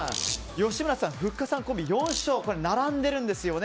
吉村さん、ふっかさんコンビ４勝とこれは並んでるんですよね。